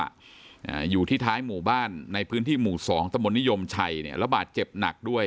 อ่าอยู่ที่ท้ายหมู่บ้านในพื้นที่หมู่สองตมนิยมชัยเนี่ยระบาดเจ็บหนักด้วย